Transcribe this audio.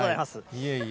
いえいえ。